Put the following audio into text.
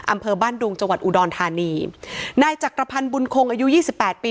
อำเภอบ้านดุงจังหวัดอุดรธานีนายจักรพันธ์บุญคงอายุยี่สิบแปดปี